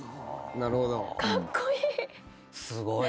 なるほど。